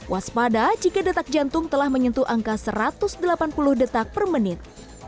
waspada jika detak jantung telah menyentuh angka satu ratus delapan puluh detak per menit